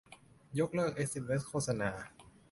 ยกเลิกเอสเอ็มเอสโฆษณา